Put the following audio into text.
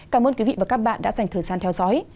cảm ơn quý vị và các bạn đã dành thời gian theo dõi